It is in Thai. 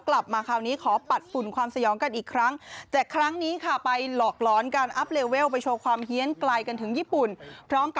กลับมาคราวนี้ขอปัดฝุ่นความสยองกันอีกครั้ง